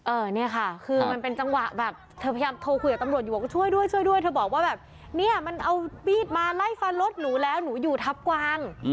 เนี่ยค่ะคือมันเป็นจังหวะแบบเธอพยายามโทรคุยกับตำรวจอยู่บอกว่าช่วยด้วยช่วยด้วยเธอบอกว่าแบบเนี่ยมันเอามีดมาไล่ฟันรถหนูแล้วหนูอยู่ทับกวาง